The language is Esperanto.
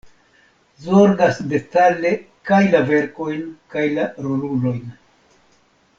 Zorgas detale kaj la verkojn kaj la rolulojn.